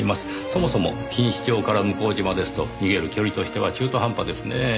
そもそも錦糸町から向島ですと逃げる距離としては中途半端ですねぇ。